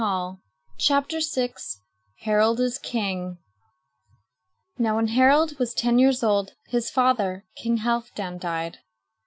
Harald is King Now when Harald was ten years old his father, King Halfdan, died.